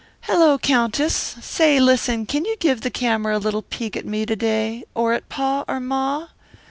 "Hello, Countess! Say, listen, can you give the camera a little peek at me to day, or at pa or ma?